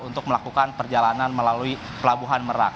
untuk melakukan perjalanan melalui pelabuhan merak